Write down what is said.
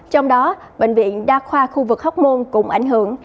trong đó bệnh viện đa khoa khu vực hóc môn cũng ảnh hưởng